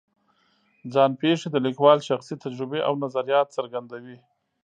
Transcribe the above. ځان پېښې د لیکوال شخصي تجربې او نظریات څرګندوي.